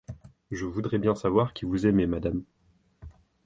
Je voudrais bien savoir qui vous aimez, madame !